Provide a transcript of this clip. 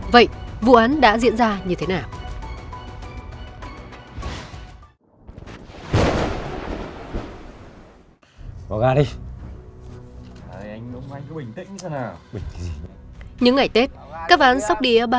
vậy vụ án đã diễn ra như thế nào